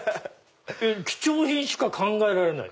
貴重品しか考えられない。